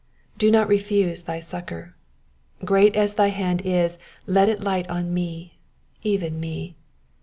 Do not refuse thy succour. Great as thy hand is, let it light on me, even me.